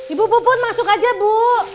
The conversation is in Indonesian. ibu puput masuk aja bu